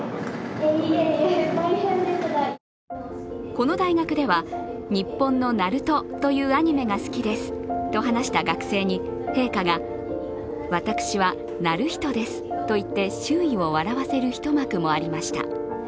この大学では日本の「ＮＡＲＵＴＯ」というアニメが好きですと話した学生に陛下が、私はナルヒトですと言って周囲を笑わせる一幕もありました。